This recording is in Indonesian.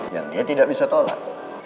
yang dia tidak bisa tolak